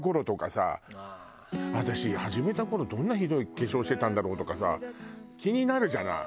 私始めた頃どんなひどい化粧してたんだろう？とかさ気になるじゃない。